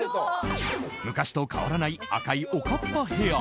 昔と変わらない赤いおかっぱヘア。